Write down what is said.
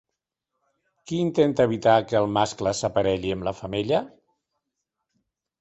Qui intenta evitar que el mascle s'aparelli amb la femella?